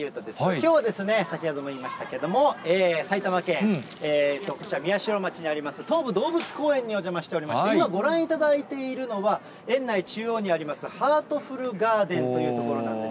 きょうは先ほども言いましたけども、埼玉県、こちら宮代町にあります東武動物公園にお邪魔しておりまして、今ご覧いただいているのは、園内中央にあります、ハートフルガーデンという所なんです。